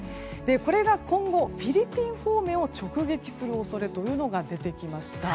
これが今後、フィリピン方面を直撃する恐れというのが出てきました。